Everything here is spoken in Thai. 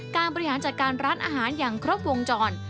บริหารจัดการร้านอาหารอย่างครบวงจร